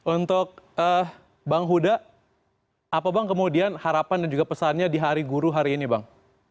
untuk bang huda apa bang kemudian harapan dan juga pesannya di hari guru hari ini bang